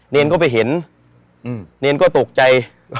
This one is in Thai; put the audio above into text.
เนรก็ไปเห็นเนรก็ตกใจ